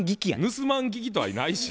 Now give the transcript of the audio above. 盗まん聞きとかないし。